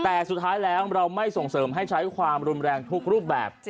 แต่สุดท้ายแล้วเราไม่ส่งเสริมให้ใช้ความรุนแรงทุกรูปแบบ